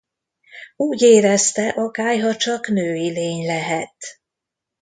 Úgy érezte, a kályha csak női lény lehet.